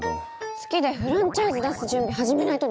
月でフランチャイズ出す準備始めないとです！